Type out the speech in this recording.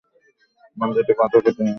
মন্দিরটি পাথর কেটে নির্মাণ করা হয়েছে।